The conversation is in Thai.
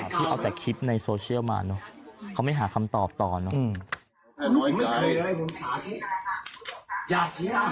ที่เอาแต่คลิปในโซเชียลมาเนอะเขาไม่หาคำตอบต่อเนอะ